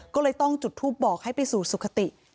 ก็เลยต้องจุดทูปบอกให้ไปสู่สุขติ